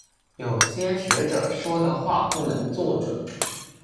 有些学者说的话不能做准。